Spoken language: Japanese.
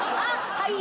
はい。